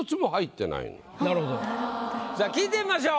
さあ聞いてみましょう。